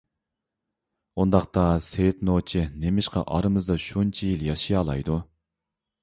ئۇنداقتا سېيىت نوچى نېمىشقا ئارىمىزدا شۇنچە يىل ياشىيالايدۇ؟